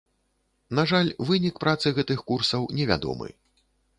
На жаль, вынік працы гэтых курсаў невядомы.